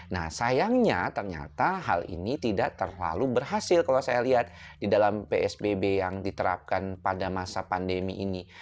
nah sayangnya ternyata hal ini tidak terlalu berhasil kalau saya lihat di dalam psbb yang diterapkan pada masa pandemi ini